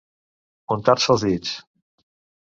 Untar-se els dits.